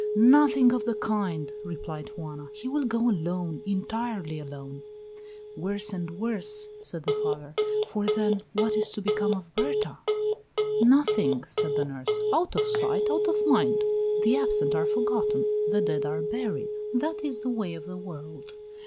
"Nothing of the kind," replied Juana. "He will go alone entirely alone." "Worse and worse," said the father, "for then, what is to become of Berta?" "Nothing," said the nurse. "Out of sight, out of mind. The absent are forgotten; the dead are buried. That is the way of the world.